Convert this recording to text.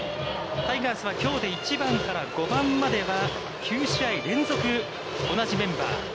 タイガースはきょうで１番から５番までは９試合連続同じメンバー。